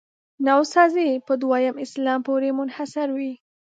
نوسازي په دویم اسلام پورې منحصروي.